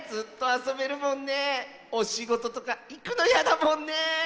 おしごととかいくのやだもんね。